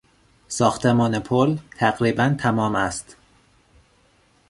ساختمان پل تقریبا تمام است.